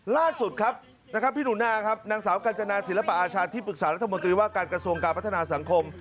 ล่าสุดครับนะครับพี่หนูนาครับนางสาวกัญจนาศิลปะอาชาที่ปรึกษารัฐมนตรีว่าการกระทรวงการพัฒนาสังคม